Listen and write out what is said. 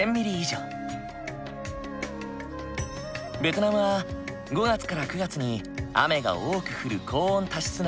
ベトナムは５月から９月に雨が多く降る高温多湿な地域。